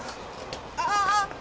ああ！